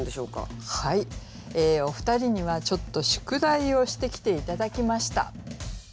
はいお二人にはちょっと宿題をしてきて頂きました。